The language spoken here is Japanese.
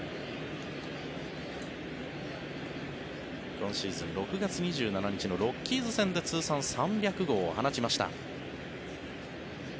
今シーズン６月２７日のロッキーズ戦で通算３００号を放ちました。